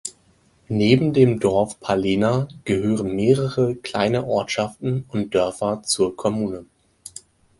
Neben dem Dorf Palena gehören mehrere kleine Ortschaften und Dörfer zur Kommune.